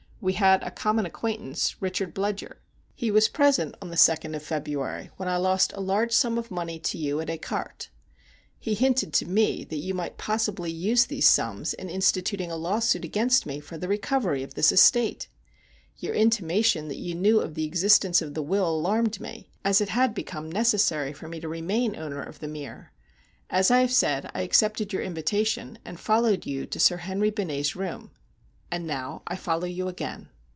We had a common acquaintance, Richard Bludyer. He was present on the 2d of February, when I lost a large sum of money to you at écarté. He hinted to me that you might possibly use these sums in instituting a lawsuit against me for the recovery of this estate. Your intimation that you knew of the existence of the will alarmed me, as it had become necessary for me to remain owner of The Mere. As I have said, I accepted your invitation, and followed you to Sir Henry Benet's room; and now I follow you again."